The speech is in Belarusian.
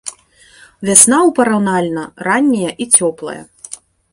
Вясна ў параўнальна ранняя і цёплая.